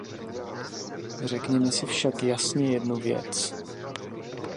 Řekněme si však jasně jednu věc.